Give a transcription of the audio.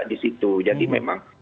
di situ jadi memang